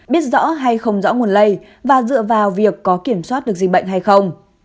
biết rõ hay không rõ nguồn lây và dựa vào việc có kiểm soát được dịch bệnh hay không